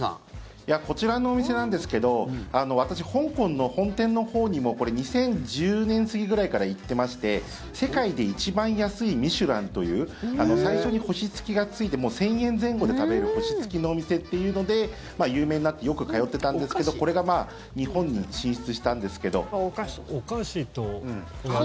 こちらのお店なんですけど私、香港の本店のほうにも２０１０年過ぎぐらいから行ってまして世界で一番安いミシュランという最初に星付きがついて１０００円前後で食べれる星付きのお店っていうので有名になってよく通っていたんですけどこれが日本に進出したんですけど。